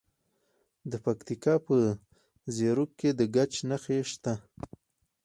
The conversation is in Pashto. د پکتیکا په زیروک کې د ګچ نښې شته.